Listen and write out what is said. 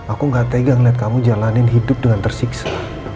aku gak tegang lihat kamu jalanin hidup dengan tersiksa